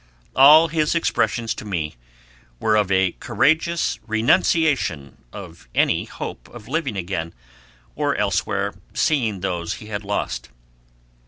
All his expressions to me were of a courageous, renunciation of any hope of living again, or elsewhere seeing those he had lost.